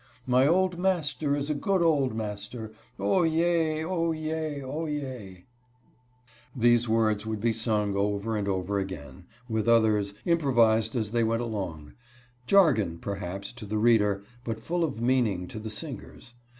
My old master is a good old master, O, yea ! O, yea ! O, yea ! These words would be sung over and over again, with others, improvised as they went along — jargon, perhaps, to the reader, but full of meaning to the singers.